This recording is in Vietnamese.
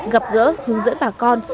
gặp gỡ hướng dẫn bà con